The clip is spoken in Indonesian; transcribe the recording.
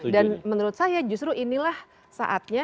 dan menurut saya justru inilah saatnya